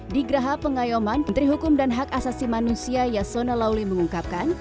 di graha pengayoman menteri hukum dan hak asasi manusia yasona lauli mengungkapkan